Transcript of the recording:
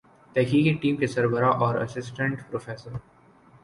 تحقیقی ٹیم کے سربراہ اور اسسٹنٹ پروفیسر